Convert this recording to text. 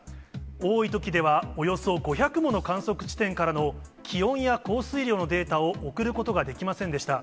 多いときでは、およそ５００もの観測地点からの気温や降水量のデータを送ることができませんでした。